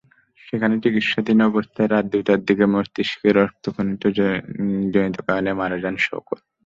সেখানে চিকিৎসাধীন অবস্থায় রাত দুইটার দিকে মস্তিষ্কে রক্তক্ষরণজনিত কারণে মারা যান শওকত।